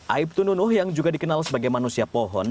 aibtu nunuh yang juga dikenal sebagai manusia pohon